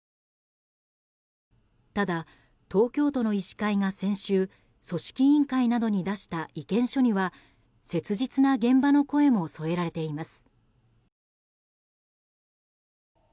ただ、東京都の医師会が先週、組織委員会などに出した意見書には切実な現場の声も添えられています。